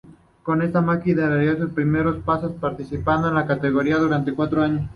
Con esta máquina, daría sus primeros pasos participando en esta categoría durante cuatro años.